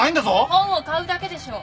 本を買うだけでしょう？